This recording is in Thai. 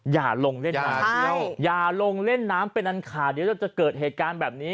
อย่าลงเล่นน้ำอย่าลงเล่นน้ำเป็นอันขาดเดี๋ยวเราจะเกิดเหตุการณ์แบบนี้